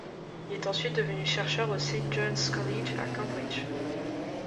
Il est ensuite devenu chercheur au St John's College, à Cambridge.